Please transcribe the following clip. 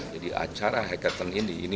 jadi acara hackathon ini